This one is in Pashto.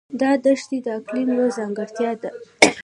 دا دښتې د اقلیم یوه ځانګړتیا ده.